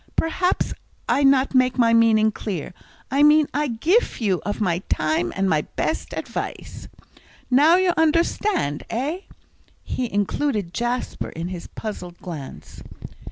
"Perhaps I not make my meaning clear; I mean I geef you of my time and my best _ad_vice. Now you understand eh?" He included Jasper in his puzzled glance.